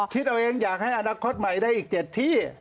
คิดเอาเองอยากให้อนาคตใหม่ได้อีก๗ที่